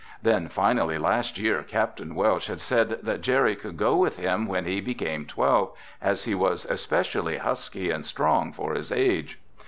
Then finally last year, Capt. Welsh had said that Jerry could go with him when he became twelve, as he was especially husky and strong for his age.